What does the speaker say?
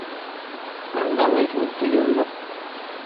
Anda ay ten-id-tgezmeḍ?